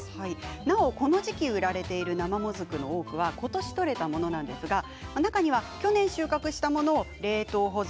なおこの時期売られている生もずくの多くはことし取れたものなんですが中には去年収穫したものを冷凍保存